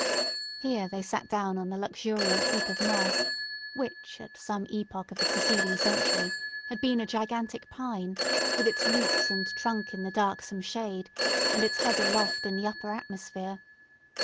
Here they sat down on a luxuriant heap of moss; which at some epoch of the preceding century, had been a gigantic pine, with its roots and trunk in the darksome shade, and its head aloft in the upper atmosphere.